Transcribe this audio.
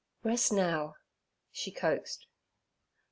'Rest now' she coaxed.